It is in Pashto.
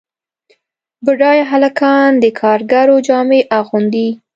بډایه هلکان د کارګرو جامې اغوندي.